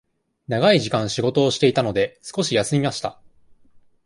長い時間仕事をしていたので、少し休みました。